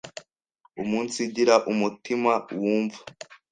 Umunsigira umutima wumva